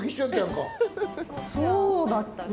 そうだったっけ？